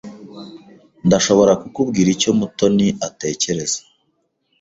Ndashobora kukubwira icyo Mutoni atekereza.